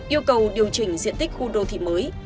yêu cầu điều chỉnh diện tích khu đô thị mới